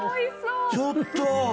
ちょっと。